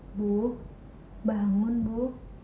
ibu bangun ibu